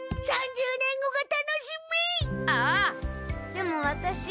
でもワタシ。